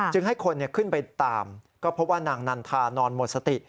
ให้คนขึ้นไปตามก็พบว่านางนันทานอนหมดสติ